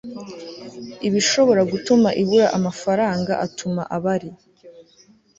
ibishobora gutuma ibura amafaranga atuma abari